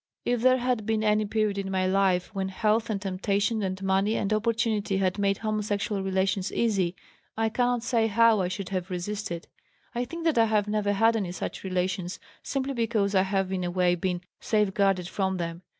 If there had been any period in my life when health, and temptation and money and opportunity had made homosexual relations easy I cannot say how I should have resisted. I think that I have never had any such relations simply because I have in a way been safeguarded from them.